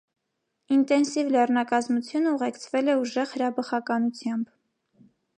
Ինտենսիվ լեռնակազմությունը ուղեկցվել է ուժեղ հրաբխականությամբ։